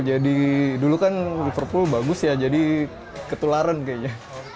jadi dulu kan liverpool bagus ya jadi ketularan kayaknya